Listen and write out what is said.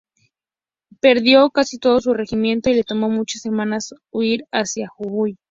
Perdió casi todo su regimiento, y le tomó muchas semanas huir hacia Jujuy.